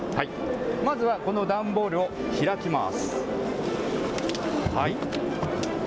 まずは、この段ボールを開きます。